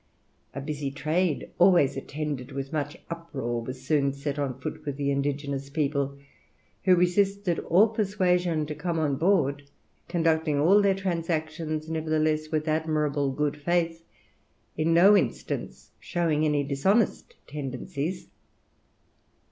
A busy trade, always attended with much uproar, was soon set on foot with the indigenous people, who resisted all persuasion to come on board, conducting all their transactions, nevertheless, with admirable good faith, in no instance showing any dishonest tendencies.